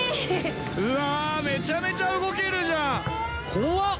うわめちゃめちゃ動けるじゃん怖っ